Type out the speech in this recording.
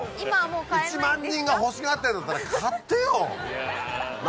１万人が欲しがってんだったら買ってよ！